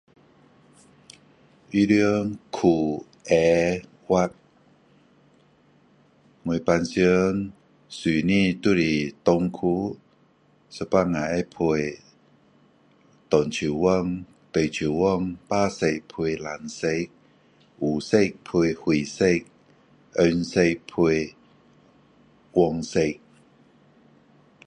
衣服裤鞋袜我平常穿的就是长裤有时候会配长袖短袖白色配蓝色黑色配灰色红色配黄色